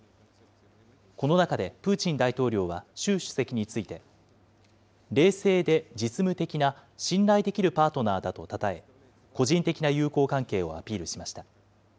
この中で、プーチン大統領は習主席について、冷静で実務的な、信頼できるパートナーだとたたえ、個人的な友好関係をアピールしました。